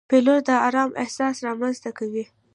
پیلوټ د آرامۍ احساس رامنځته کوي.